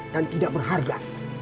dan tidak berharga